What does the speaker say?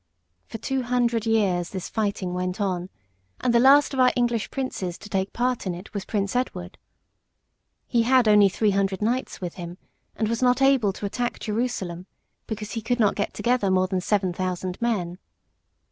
For two hundred years this fighting went on, and the last of our English princes to take part in it was Prince Edward. He had only three hundred knights with him, and was not able to attack Jerusalem, because he could not get together more than seven thousand men.